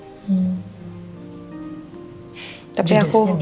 judesnya dia juga ya